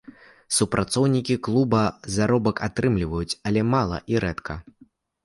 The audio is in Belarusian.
Супрацоўнікі клуба заробак атрымліваюць, але мала і рэдка.